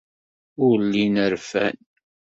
Ur llin rfan.